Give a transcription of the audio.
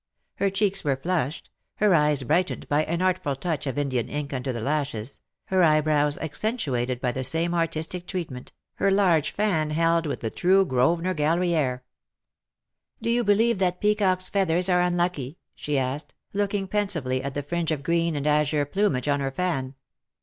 Her cheeks were flushed, her eyes brightened by an artful touch of Indian ink under the lashes, her eyebrows accentuated by the same artistic treatment, her large fan held witli the true Grosvcnor Gallery air. 262 *^ WHO KNOWS NOT CIRCE ?"^^ Do you believe that peacocks^ feathers are unlucky ?^^ she asked, looking pensively at the fringe of green and azure plumage on her fan.